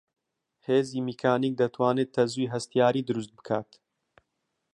هێزی میکانیک دەتوانێت تەزووی هەستیاری دروست بکات